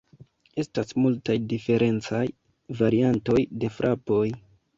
Estas multaj diferencaj variantoj de frapoj.